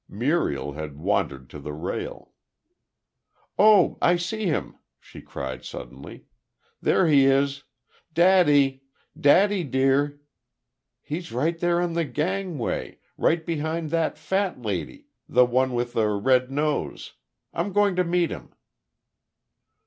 Muriel had wandered to the rail. "Oh, I see him!" she cried, suddenly. "There he is! Daddy! Daddy, dear! ... He's right there on the gangway right behind that fat lady the one with the red nose. I'm going to meet him."